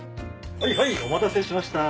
はいお待たせしました。